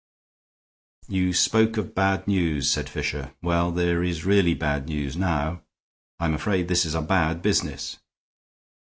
"You spoke of bad news," said Fisher. "Well, there is really bad news now. I am afraid this is a bad business."